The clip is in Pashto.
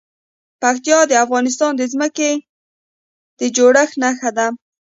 پکتیکا د افغانستان د ځمکې د جوړښت نښه ده.